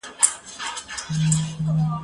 زه اجازه لرم چي بوټونه پاک کړم!.